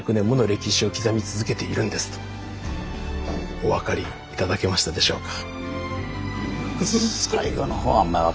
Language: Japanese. お分かり頂けましたでしょうか？